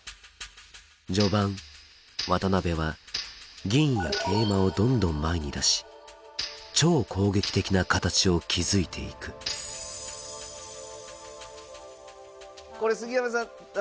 序盤渡辺は銀や桂馬をどんどん前に出し超攻撃的な形を築いていくこれ杉山さん